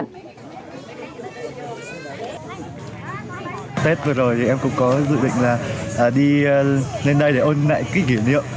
tết vừa rồi thì em cũng có dự định là đi lên đây để ôn lại ký kỷ niệm